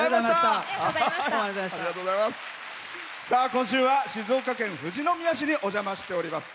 今週は静岡県富士宮市にお邪魔しております。